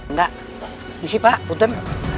nggak misi pak puter